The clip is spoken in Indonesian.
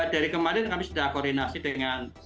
dari kemarin kami sudah koordinasi dengan